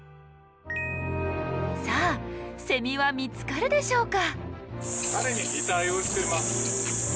さあセミは見つかるでしょうか？